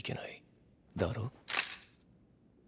だろ？